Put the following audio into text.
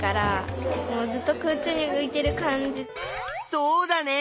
そうだね。